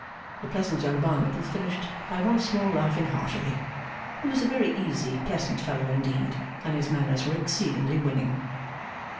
The pleasant young Barnacle finished by once more laughing heartily. He was a very easy, pleasant fellow indeed, and his manners were exceedingly winning.